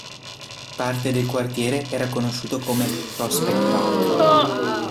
Parte del quartiere era conosciuto come "Prospect Park".